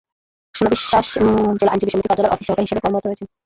সোনা বিশ্বাস জেলা আইনজীবী সমিতি কার্যালয়ের অফিস সহকারী হিসেবে কর্মরত রয়েছেন।